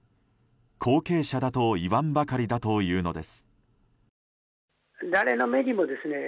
後継者だといわんばかりだというのです。